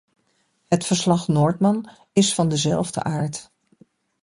Het verslag-Nordmann is van dezelfde aard.